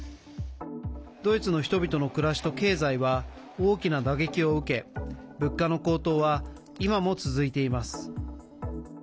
ドイツの人々の暮らしと経済は大きな打撃を受け物価の高騰は今も続いています。